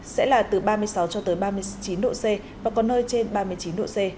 sẽ là từ ba mươi sáu cho tới ba mươi chín độ c và có nơi trên ba mươi chín độ c